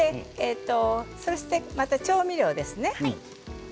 そして調味料ですね。